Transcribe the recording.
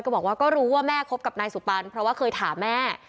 บอกว่าก็รู้ว่าแม่คบกับนายสุปันเพราะว่าเคยถามแม่